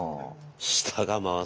下が回す。